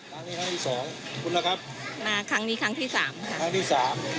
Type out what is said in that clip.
ครั้งนี้ครั้งที่สองคุณล่ะครับมาครั้งนี้ครั้งที่สามครับ